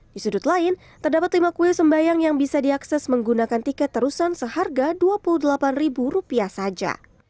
di sudut lain terdapat lima kue sembayang yang bisa diakses menggunakan tiket terusan seharga dua puluh delapan saja